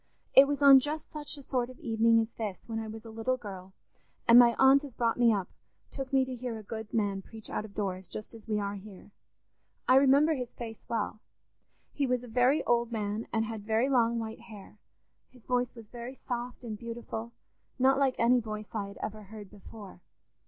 It was on just such a sort of evening as this, when I was a little girl, and my aunt as brought me up took me to hear a good man preach out of doors, just as we are here. I remember his face well: he was a very old man, and had very long white hair; his voice was very soft and beautiful, not like any voice I had ever heard before.